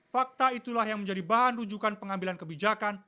fakta itulah yang menjadi bahan rujukan pengambilan kebijakan